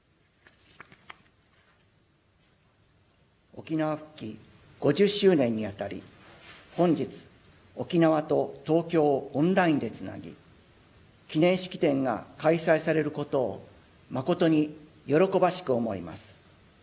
沖縄復帰５０周年にあたり本日、沖縄と東京をオンラインでつなぎ記念式典が開催されることを誠に喜ばしく思います。